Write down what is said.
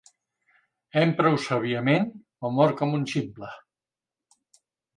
Empra-ho sàviament o mor com un ximple.